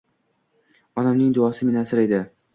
Onamning duosi meni asraydi